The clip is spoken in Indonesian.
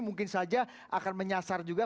mungkin saja akan menyasar juga